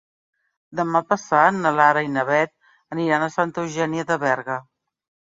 Demà passat na Lara i na Beth aniran a Santa Eugènia de Berga.